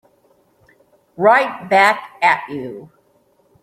Right back at you.